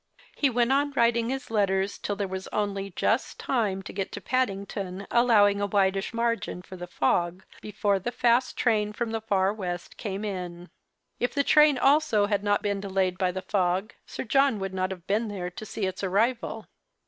He went on writing his letters till there was only just time to get to Paddington, allowing a widish margin for the fog — before the fast train from the far west came in. If the train also had not been delayed by the fog, Sir John would not have been there to see its arrival.